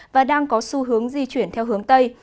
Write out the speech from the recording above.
và đang có xu hướng di chuyển theo hướng tây